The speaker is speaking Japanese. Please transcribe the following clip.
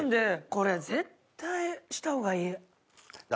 これ絶対したほうがいい。